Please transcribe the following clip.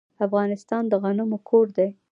افغانستان د غنمو کور دی.